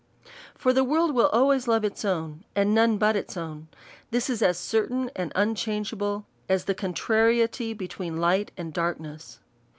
For the world will always love its own, and none but its own : this is as certain and unchangeable, as the contrariety betwixt light and darkness.